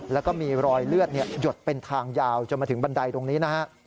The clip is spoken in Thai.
แล้วก็มีรอยเลือดหยดเป็นทางยาวจนมาถึงบันไดตรงนี้นะฮะ